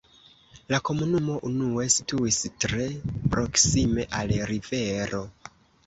La komunumo unue situis tre proksime al rivero.